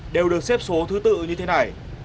đều được xếp số thứ tự như thế này